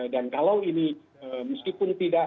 dan kalau ini meskipun tidak